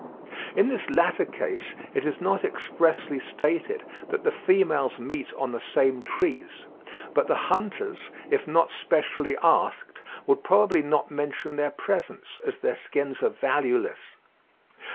In this latter case it is not expressly stated that the females meet on the same trees, but the hunters, if not specially asked, would probably not mention their presence, as their skins are valueless.